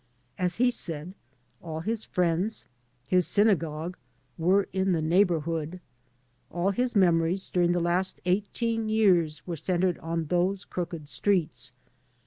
As he said, all his friends, his synagogue, were in the neighbour hood. All his memories during the last eighteen years were centred in those crooked streets.